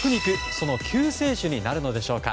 その救世主になるのでしょうか。